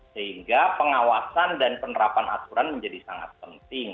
sehingga pengawasan dan penerapan aturan menjadi sangat penting